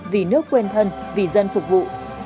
vì nước quên thân vì dân phục vụ